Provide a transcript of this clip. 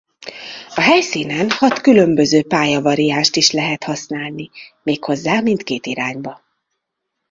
A helyszínen hat különböző pályavariánst is lehet használni méghozzá mindkét irányba.